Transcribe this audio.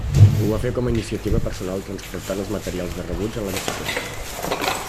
Ho va fer com a iniciativa personal transportant els materials de rebuig en la bicicleta.